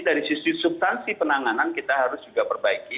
dari sisi substansi penanganan kita harus juga perbaiki